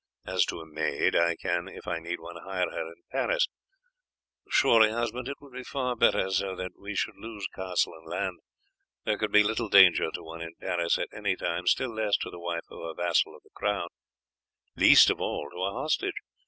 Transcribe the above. As to a maid I can, if I need one, hire her in Paris. Surely, husband, it would be far better so than that we should lose castle and land. There could be little danger to one in Paris at any time, still less to the wife of a vassal of the crown, least of all to a hostage.